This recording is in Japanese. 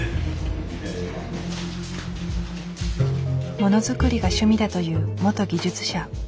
ものづくりが趣味だという元技術者。